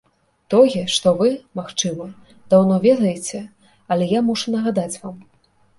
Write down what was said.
Тое, што вы, магчыма, даўно ведаеце, але я мушу нагадаць вам.